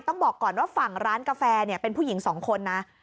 ต้องบอกก่อนว่าฝั่งร้านกาแฟเป็นผู้หญิงสองคนนะ